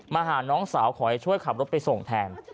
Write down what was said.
มาหาน้องสาวขอให้ช่วยขับรถไปส่งแทน